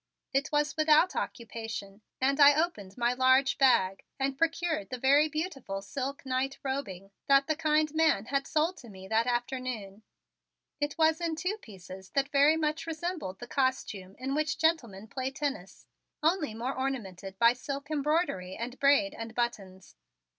It was without occupation and I opened my large bag and procured the very beautiful silk night robing that the kind man had sold to me that afternoon. It was in two pieces that very much resembled the costume in which gentlemen play tennis, only more ornamented by silk embroidery and braid and buttons.